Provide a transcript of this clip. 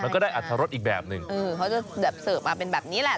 ก็ได้อัตรรสอีกแบบหนึ่งเออเขาจะแบบเสิร์ฟมาเป็นแบบนี้แหละ